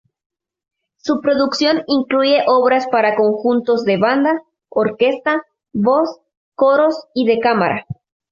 Su producción incluye obras para conjuntos de banda, orquesta, voz, coros y de cámara.